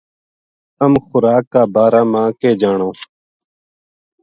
تم خوراک کا بارہ ما کے جانو“